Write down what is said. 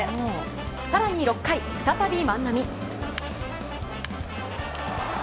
更に６回、再び万波。